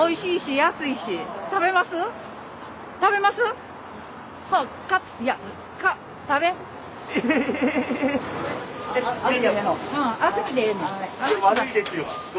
悪いですよ。